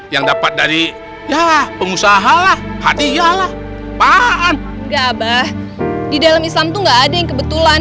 yang dapat dari dah pengusaha lah hati yalah paham gabah di dalam islam tuh enggak ada yang kebetulan